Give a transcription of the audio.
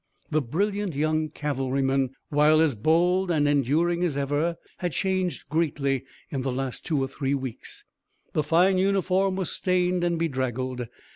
The brilliant young cavalryman, while as bold and enduring as ever, had changed greatly in the last two or three weeks. The fine uniform was stained and bedraggled.